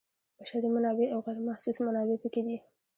بشري منابع او غیر محسوس منابع پکې دي.